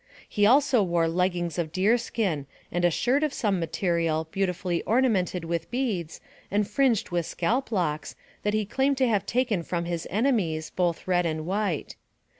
He wore also leggings of deer skin, and a shirt of the same material, beautifully ornamented with beads, and fringed with scalp locks, that he claimed to have taken from his enemies, both red and white.